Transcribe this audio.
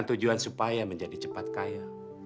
tujuan supaya menjadi cepat kaya